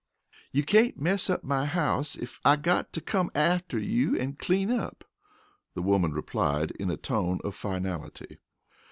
"You cain't mess up my house ef I got to come atter you an' clean up," the woman replied in a tone of finality.